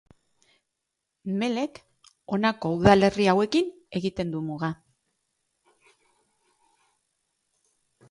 Melek honako udalerri hauekin egiten du muga.